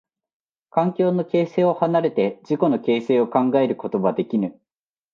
環境の形成を離れて自己の形成を考えることはできぬ。